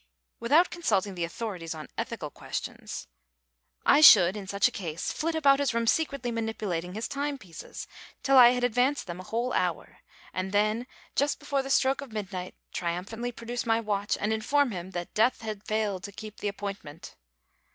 Without consulting the authorities on ethical questions, I should, in such a case, flit about his room secretly manipulating his timepieces, till I had advanced them a whole hour, and then, just before the stroke of midnight, triumphantly produce my watch and inform him that death had failed to keep the appointment.